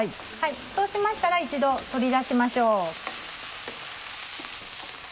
そうしましたら一度取り出しましょう。